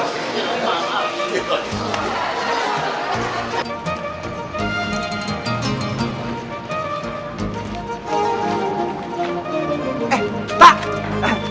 eh si darimal